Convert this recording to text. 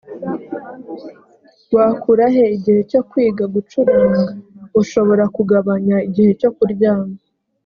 wakura he igihe cyo kwiga gucuranga ushobora kugabanya igihe cyo kuryama